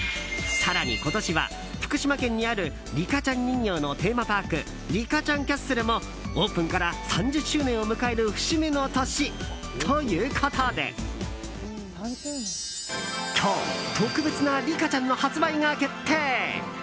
更に、今年は福島県にあるリカちゃん人形のテーマパークリカちゃんキャッスルもオープンから３０周年を迎える節目の年ということで今日、特別なリカちゃんの発売が決定。